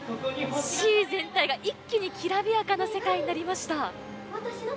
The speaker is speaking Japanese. シー全体が一気にきらびやかな世界になりました。